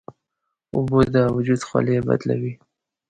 اوبه د وجود خولې بدلوي.